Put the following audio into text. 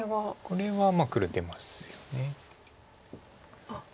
これはまあ黒出ますよね。